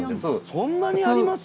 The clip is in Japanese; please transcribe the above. そんなにあります？